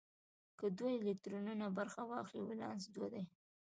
که دوه الکترونونه برخه واخلي ولانس دوه دی.